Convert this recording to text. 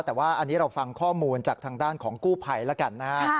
แต่ว่าอันนี้เราฟังข้อมูลจากทางด้านของกู้ภัยแล้วกันนะฮะ